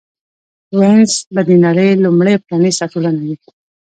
وینز به د نړۍ لومړۍ پرانېسته ټولنه وي